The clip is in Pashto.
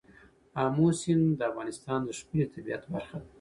آمو سیند د افغانستان د ښکلي طبیعت برخه ده.